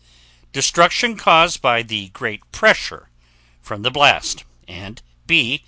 Destruction caused by the great pressure from the blast; and B.